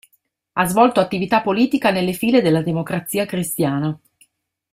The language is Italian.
Ha svolto attività politica nelle file della Democrazia Cristiana.